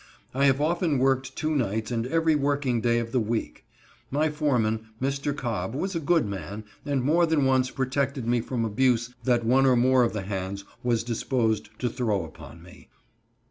I have often worked two nights and every working day of the week. My foreman, Mr. Cobb, was a good man, and more than once protected me from abuse that one or more of the hands was disposed to throw upon me.